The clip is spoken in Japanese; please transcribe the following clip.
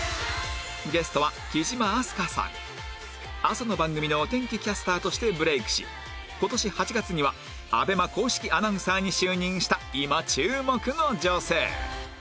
朝の番組のお天気キャスターとしてブレイクし今年８月には ＡＢＥＭＡ 公式アナウンサーに就任した今注目の女性